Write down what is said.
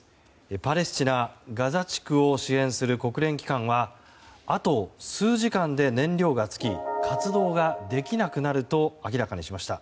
パレスチナ・ガザ地区を支援する国連機関はあと数時間で燃料が尽き活動ができなくなると明らかにしました。